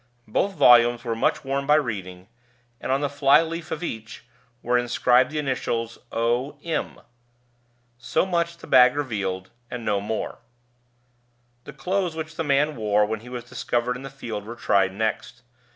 Both volumes were much worn by reading, and on the fly leaf of each were inscribed the initials O. M. So much the bag revealed, and no more. The clothes which the man wore when he was discovered in the field were tried next.